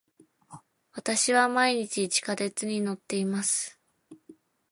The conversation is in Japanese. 私は毎日地下鉄に乗っています。